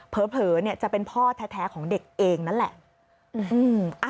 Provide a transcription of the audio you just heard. เผลอจะเป็นพ่อแท้ของเด็กเองนั่นแหละ